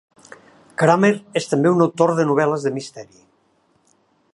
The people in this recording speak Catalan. Kramer és també un autor de novel·les de misteri.